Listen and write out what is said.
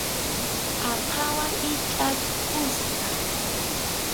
Aqhawan hichʼaykusqa.